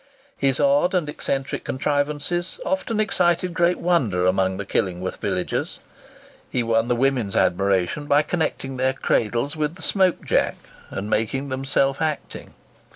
His odd and eccentric contrivances often excited great wonder amongst the Killingworth villagers. He won the women's admiration by connecting their cradles with the smoke jack, and making them self acting.